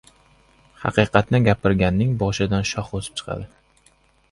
• Haqiqatni gapirganning boshidan shox o‘sib chiqadi.